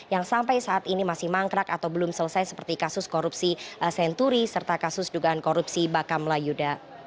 yang sampai saat ini masih mangkrak atau belum selesai seperti kasus korupsi senturi serta kasus dugaan korupsi bakamla yuda